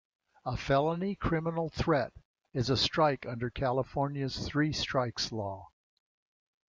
A felony criminal threat is a strike under California's three strikes law.